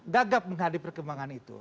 gagap menghadapi perkembangan itu